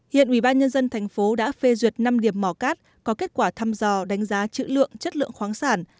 hiện ubnd tp đã phê duyệt năm điểm mỏ cát có kết quả thăm dò đánh giá chữ lượng chất lượng khoáng sản